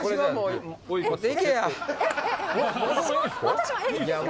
私も！？